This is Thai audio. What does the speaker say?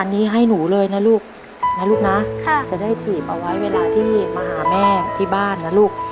อันนี้ให้หนูเลยนะลูกนะลูกนะจะได้ถีบเอาไว้เวลาที่มาหาแม่ที่บ้านนะลูก